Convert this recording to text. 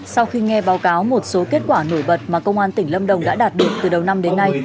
sau khi nghe báo cáo một số kết quả nổi bật mà công an tỉnh lâm đồng đã đạt được từ đầu năm đến nay